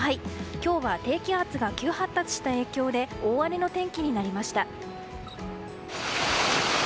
今日は低気圧が急発達した影響で大荒れの天気になりました。